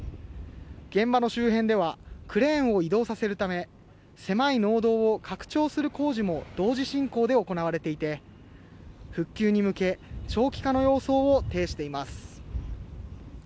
現場の周辺ではクレーンを移動させるため狭い農道を拡張する工事も同時進行で行われていて復旧に向け長期化の様相を呈しています。